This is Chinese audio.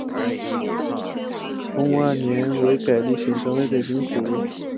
洪武二年改隶北平行省北平府。